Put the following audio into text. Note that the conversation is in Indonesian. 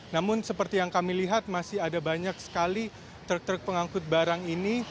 namun seperti yang kami lihat masih ada banyak sekali truk truk pengangkut barang ini